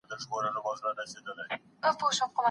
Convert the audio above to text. زوم د خپلي ميرمني علم ته سپکاوی نکوي.